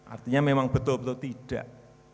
artinya memang betul betul tidak